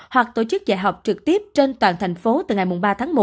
hoặc tổ chức dạy học trực tiếp trên toàn tp hcm từ ngày ba tháng một năm hai nghìn hai mươi hai